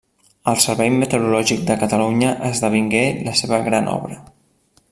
El Servei Meteorològic de Catalunya esdevingué la seva gran obra.